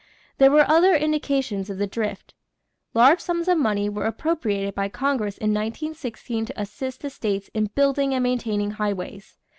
There were other indications of the drift. Large sums of money were appropriated by Congress in 1916 to assist the states in building and maintaining highways.